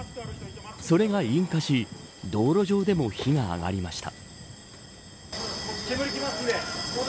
それが引火し道路上でも火が上がりました。